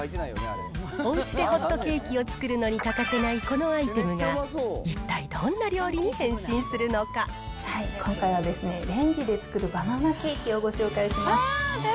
おうちでホットケーキを作るのに欠かせないこのアイテムが、一体今回はですね、レンジで作るバナナケーキをご紹介します。